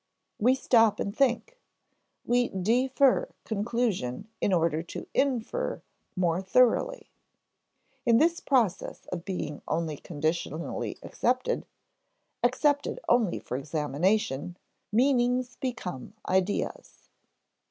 We stop and think, we de fer conclusion in order to in fer more thoroughly. In this process of being only conditionally accepted, accepted only for examination, meanings become ideas.